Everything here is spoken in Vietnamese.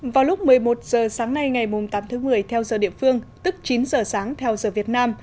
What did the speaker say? vào lúc một mươi một giờ sáng nay ngày tám tháng một mươi theo giờ địa phương tức chín giờ sáng theo giờ việt nam